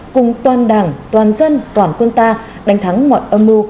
cùng toàn đảng toàn dân toàn quân ta đánh thắng mọi âm mưu